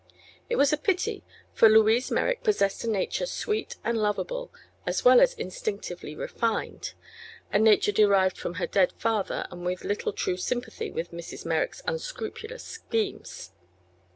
It was a pity, for Louise Merrick possessed a nature sweet and lovable, as well as instinctively refined a nature derived from her dead father and with little true sympathy with Mrs. Merrick's unscrupulous schemes.